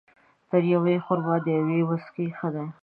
تر يوې خرما ، دوې وڅکي ښه دي